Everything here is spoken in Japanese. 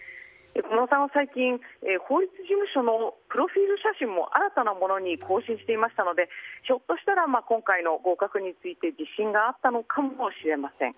小室さんは最近、法律事務所のプロフィール写真も新たなものに更新していましたのでひょっとしたら今回の合格に自信があったのかもしれません。